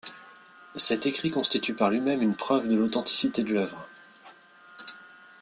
Cet écrit constitue par lui-même une preuve de l'authenticité de l'œuvre.